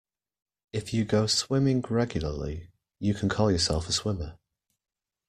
If you go swimming regularly, you can call yourself a swimmer.